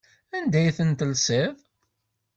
Anda ay ten-telsiḍ?